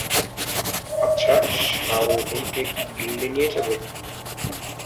আচ্ছা, শাওহেইকে কি গিল্ডে নিয়ে যাবে?